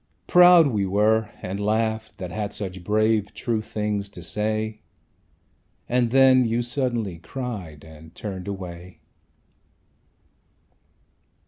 ... Proud we were, And laughed, that had such brave true things to say. And then you suddenly cried, and turned away.